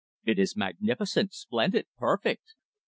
"It is magnificent, splendid, perfect!"